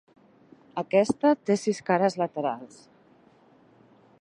Aquesta té sis cares laterals.